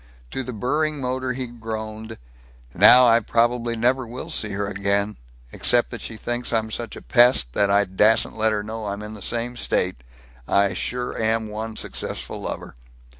To the burring motor he groaned, "Now I probably never will see her again. Except that she thinks I'm such a pest that I dassn't let her know I'm in the same state, I sure am one successful lover.